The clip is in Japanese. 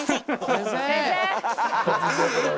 先生！